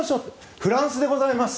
フランスでございます。